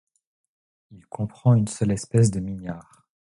Il comprend une seule espèce de mignards.